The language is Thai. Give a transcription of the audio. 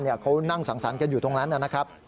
เขานั่งสังสรรค์กันอยู่ตรงนั้นนะครับ